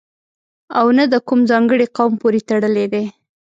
او نه د کوم ځانګړي قوم پورې تړلی دی.